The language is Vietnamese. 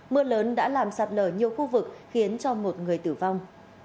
mưa lớn đã làm sạt lở nhiều khu vực khiến cho một người tử vong